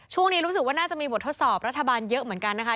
ช่วงนี้รู้สึกว่าน่าจะมีบททดสอบรัฐบาลเยอะเหมือนกันนะคะ